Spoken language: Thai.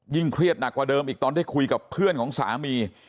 เครียดหนักกว่าเดิมอีกตอนได้คุยกับเพื่อนของสามี